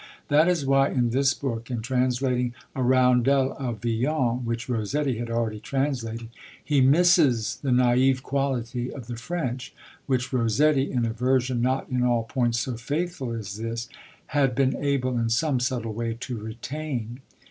That is why, in this book, in translating a 'roundel' of Villon which Rossetti had already translated, he misses the naïve quality of the French which Rossetti, in a version not in all points so faithful as this, had been able, in some subtle way, to retain.